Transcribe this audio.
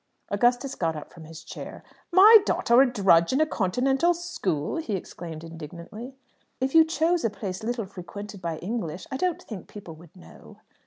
Augustus got up from his chair. "My daughter a drudge in a Continental school?" he exclaimed indignantly. "If you chose a place little frequented by English, I don't think people would know."